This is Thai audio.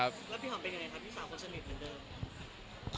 แล้วพี่ห่ำเป็นอย่างไรครับที่สาวคนชะเม็ดเหมือนเดิม